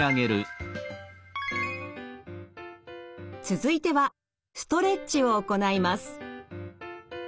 続いてはストレッチを行います。